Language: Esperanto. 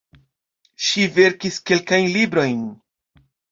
Ŝi verkis kelkajn librojn.